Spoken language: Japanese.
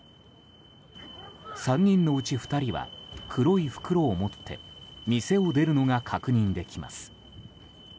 ３人のうち２人は黒い袋を持って店を出るのが確認できます。